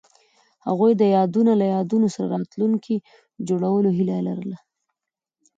هغوی د یادونه له یادونو سره راتلونکی جوړولو هیله لرله.